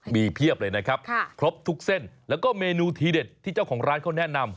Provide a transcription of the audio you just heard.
มีเพียบเลยนะครับครบทุกเส้นแล้วก็เมนูทีเด็ดที่เจ้าของร้านเขาแนะนำ